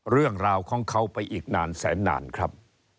เรื่องราวของเขาไปอีกนานแสนนานครับ